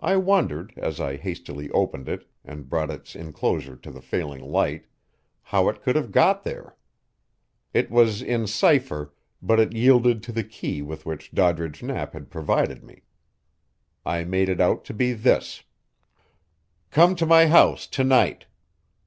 I wondered, as I hastily opened it and brought its inclosure to the failing light, how it could have got there. It was in cipher, but it yielded to the key with which Doddridge Knapp had provided me. I made it out to be this: "Come to my house to night.